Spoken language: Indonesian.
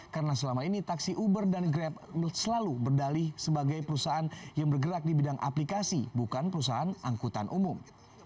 karena selama ini taksi uber dan grab selalu berdalih sebagai perusahaan yang bergerak di bidang aplikasi bukan perusahaan angkutan umum